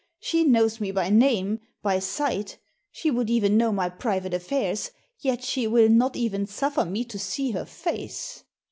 She knows me by name, by sight, she would even know my private affairs, yet she will not even suffer me to see her face."